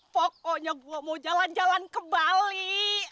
pokoknya gue mau jalan jalan ke bali